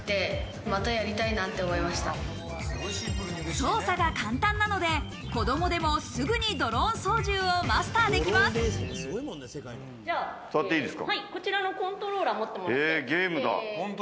操作が簡単なので、子供でもすぐにドローン操縦をマスターできます。